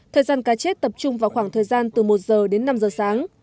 thời gian cá chết tập trung vào khoảng thời gian từ một giờ đến năm giờ sáng